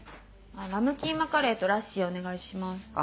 ラムキーマカレーとラッシーお願いします。